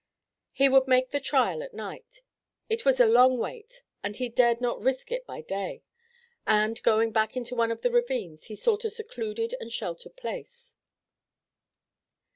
He would make the trial at night. It was a long wait, but he dared not risk it by day, and, going back into one of the ravines, he sought a secluded and sheltered place.